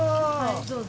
どうぞ。